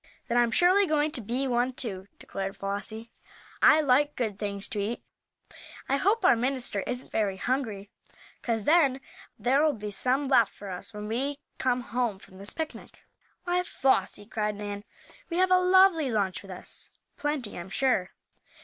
"Then I'm surely going to be one, too," declared Flossie. "I like good things to eat. I hope our minister isn't very hungry, 'cause then there'll be some left for us when we come home from this picnic." "Why, Flossie!" cried Nan. "We have a lovely lunch with us; plenty, I'm sure."